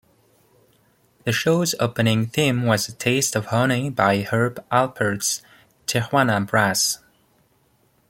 The show's opening theme was "A Taste of Honey" by Herb Alpert's Tijuana Brass.